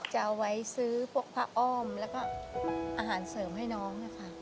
จะเอาไว้ซื้อพวกผ้าอ้อมแล้วก็อาหารเสริมให้น้องค่ะ